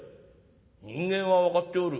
「人間は分かっておる。